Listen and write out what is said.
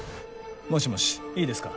もしもしいいですか。